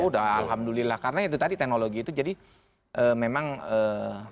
sudah alhamdulillah karena itu tadi teknologi itu jadi memang lebih mudah